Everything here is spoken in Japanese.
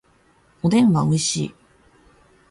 おでんはおいしい